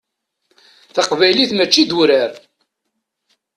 Taqbaylit mačči d urar.